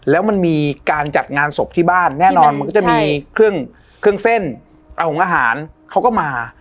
แล้วมันมีการจัดงานศพที่บ้านแน่นอนมันก็จะมีเครื่องเส้นหงอาหารเขาก็มา